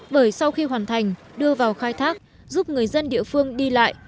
bởi sau khi hoàn thành đưa vào khai thác giúp người dân địa phương đi lại